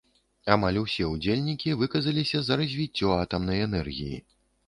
Амаль усе ўдзельнікі выказаліся за развіццё атамнай энергіі.